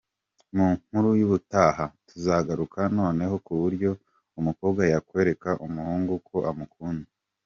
Mu nkuru y’ubutaha tuzagaruka noneho ku buryo umukobwa yakwereka umuhungu ko amukunda.